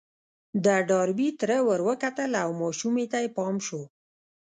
د ډاربي تره ور وکتل او ماشومې ته يې پام شو.